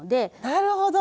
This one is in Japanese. なるほど！